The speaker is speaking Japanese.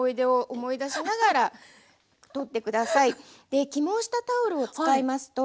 で起毛したタオルを使いますと。